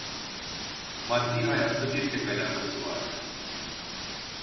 Maddi hayatla bir tek alakası vardı: